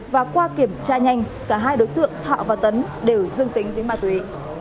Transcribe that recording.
và qua kiểm tra nhanh cả hai đối tượng thọ và tấn đều dương tính với ma túy